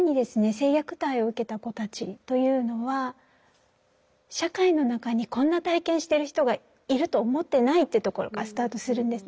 性虐待を受けた子たちというのは社会の中にこんな体験してる人がいると思ってないというところからスタートするんですね。